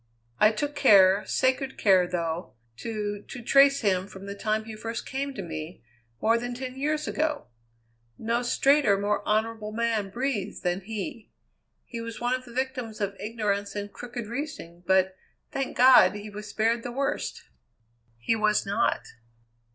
I took care, sacred care, though, to to trace him from the time he first came to me, more than ten years ago. No straighter, more honourable man breathes than he. He was one of the victims of ignorance and crooked reasoning, but, thank God! he was spared the worst." "He was not."